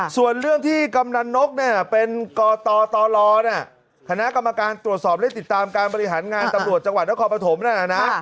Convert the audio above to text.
ส่วนเรื่องที่กำนันนกเป็นกตลคณะกรรมการตรวจสอบและติดตามการบริหารงานตำรวจจังหวัดนครปฐมนั่นน่ะนะ